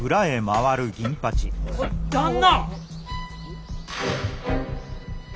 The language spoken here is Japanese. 旦那！